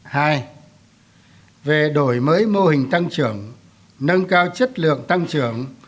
hai về đổi mới mô hình tăng trưởng nâng cao chất lượng tăng trưởng